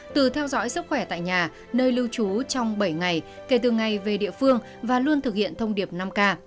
từ theo dõi sức khỏe tại nhà nơi lưu trú trong bảy ngày kể từ ngày về địa phương và luôn thực hiện thông điệp năm k